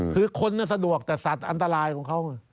คือคนสะดวกแต่สัตว์อันตรายของเขา